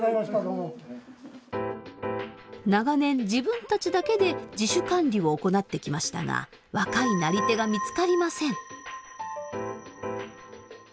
長年自分たちだけで自主管理を行ってきましたが若いなり手が見つかりません。